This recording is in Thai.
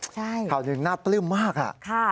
ใช่ข่าวหนึ่งน่าเปลื้มมากค่ะค่ะ